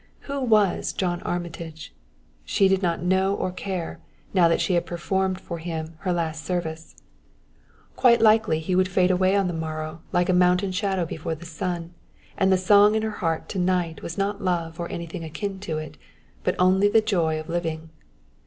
Who was John Armitage? She did not know or care, now that she had performed for him her last service. Quite likely he would fade away on the morrow like a mountain shadow before the sun; and the song in her heart to night was not love or anything akin to it, but only the joy of living.